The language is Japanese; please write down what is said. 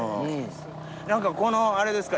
何かこのあれですか？